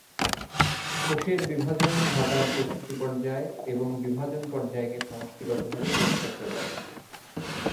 কোষের বিভাজন ঘটার প্রস্তুতি পর্যায় এবং বিভাজন পর্যায়কে সমষ্টিগতভাবে কোষচক্র বলে।